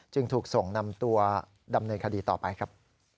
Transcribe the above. จึงถูกส่งนำตัวดำเนินคดีต่อไปครับ